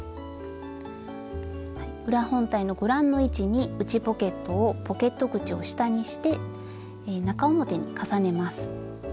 裏本体のご覧の位置に内ポケットをポケット口を下にして中表に重ねます。